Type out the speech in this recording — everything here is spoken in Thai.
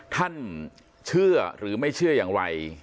ท่านเชื่อหรือไม่เชื่ออย่างไร